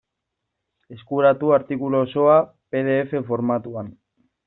Eskuratu artikulu osoa pe de efe formatuan.